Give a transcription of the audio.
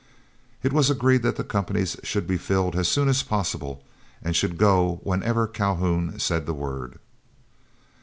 It was agreed that the companies should be filled as soon as possible, and should go whenever Calhoun said the word.